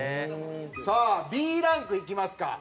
さあＢランクいきますか。